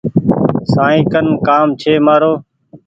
سائين ڪن ڪآم ڇي مآرو ۔